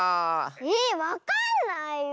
えわかんないよ。